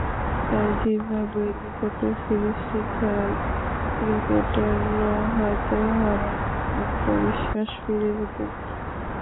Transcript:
তাই জিম্বাবুয়ের বিপক্ষে সিরিজটি খেললে ক্রিকেটাররা হয়তো হারানো আত্মবিশ্বাস ফিরে পেতেন।